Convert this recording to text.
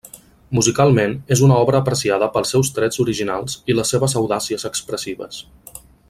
Musicalment, és una obra apreciada pels seus trets originals i les seves audàcies expressives.